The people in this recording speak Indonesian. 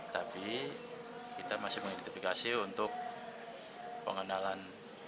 tapi kita masih mengidentifikasi untuk pengenalan